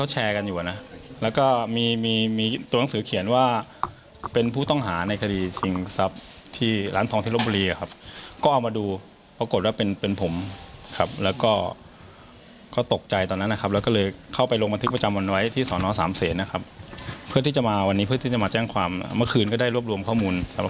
ให้รวบรวมข้อมูลสำหรับคนที่แชร์นะครับ